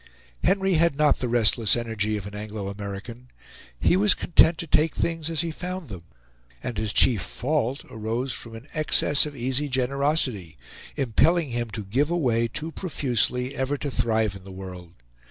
Henry had not the restless energy of an Anglo American. He was content to take things as he found them; and his chief fault arose from an excess of easy generosity, impelling him to give away too profusely ever to thrive in the world.